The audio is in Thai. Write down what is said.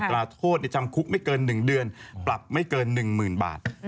อัตราโทษในจำคุกไม่เกินหนึ่งเดือนปรับไม่เกินหนึ่งหมื่นบาทอืม